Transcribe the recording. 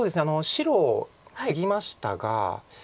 白ツギましたが。